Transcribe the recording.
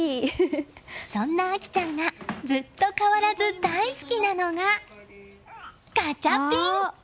そんな綾季ちゃんがずっと変わらず大好きなのがガチャピン！